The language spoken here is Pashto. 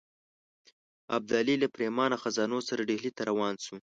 ابدالي له پرېمانه خزانو سره ډهلي ته روان شو.